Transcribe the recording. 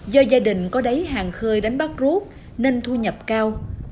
do gia đình có đáy hàng khơi đánh bắt rút nên thu nhập cao